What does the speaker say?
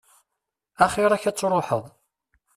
Axir-k ad tṛuḥeḍ.